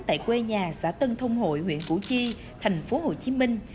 tại quê nhà xã tân thông hội huyện củ chi thành phố hồ chí minh